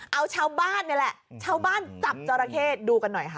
เอาชาวบ้านนี่แหละชาวบ้านจับจราเข้ดูกันหน่อยค่ะ